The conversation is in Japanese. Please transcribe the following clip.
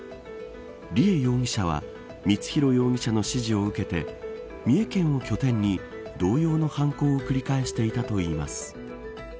梨恵容疑者は光弘容疑者の指示を受けて三重県を拠点に同様の犯行を繰り返していたといいます。